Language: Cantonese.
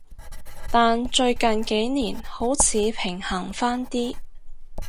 但最近幾年好似平衡返啲